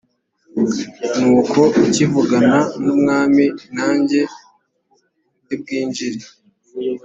nuko ukivugana n umwami nanjye ndi bwinjire